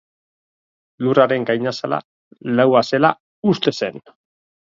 Lurraren gainazala laua zela uste zen.